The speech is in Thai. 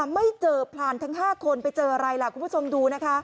ไม่เจอพรานทั้ง๕คนไปเจออะไรล่ะคุณผู้ชมดูนะคะ